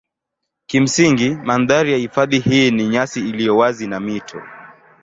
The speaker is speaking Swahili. Kimsingi mandhari ya hifadhi hii ni nyasi iliyo wazi na mito.